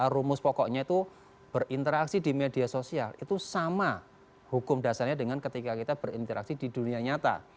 rumus pokoknya itu berinteraksi di media sosial itu sama hukum dasarnya dengan ketika kita berinteraksi di dunia nyata